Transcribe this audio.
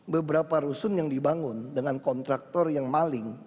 beberapa rusun yang dibangun dengan kontraktor yang maling